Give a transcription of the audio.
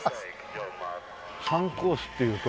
３コースっていうと。